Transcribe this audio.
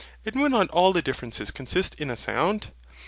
And would not all the difference consist in a sound?